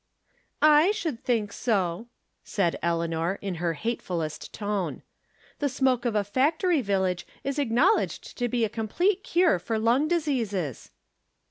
" I should think so !" said Eleanor, in her hatefulest tone. " The smoke of a factory vil lage is acknowledged to be a complete cure for lung diseases